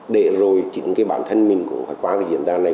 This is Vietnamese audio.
để rồi chính cái bản thân mình cũng phải qua cái diễn đàn này